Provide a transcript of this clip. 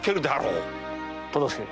忠相。